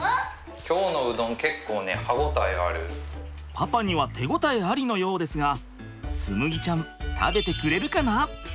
パパには手応えありのようですが紬ちゃん食べてくれるかな？